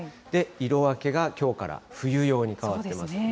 色分けがきょうから冬用に変わってますよね。